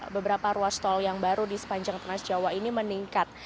beberapa ruas tol yang baru di sepanjang trans jawa ini meningkat